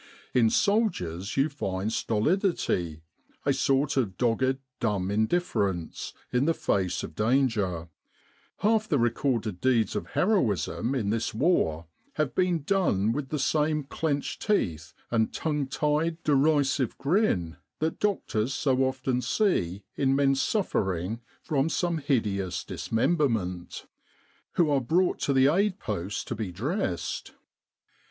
In soldiers you find stolidity, a sort of dogged dumb indifference, in the face of danger half the recorded deeds of heroism in this war have been done with the same clenched teeth and tongue tied, derisive grin that doctors so often see in men suffering from some hideous dismemberment, who are brought to the aid post to be dressed.